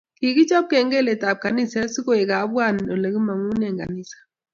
Kikichob kengelet ab kaniset so koek kebwat olekimangune kanisa